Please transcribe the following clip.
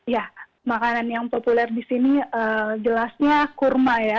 ya makanan yang populer di sini jelasnya kurma ya